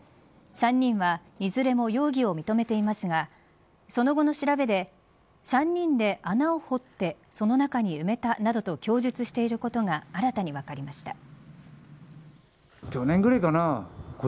３人はいずれも容疑を認めていますがその後の調べで３人で穴を掘ってその中に埋めたなどと供述していることが新たに分かりました。